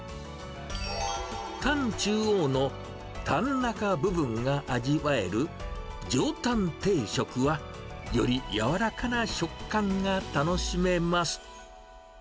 タン中央のタン中部分が味わえる、上たん定食は、より柔らかな食感が楽しめます。